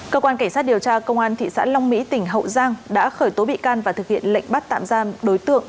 cơ quan cảnh sát điều tra công an tp huế tỉnh hậu giang đã khởi tố bị can và thực hiện lệnh bắt tạm giam đối tượng